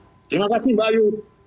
terima kasih mbak ayu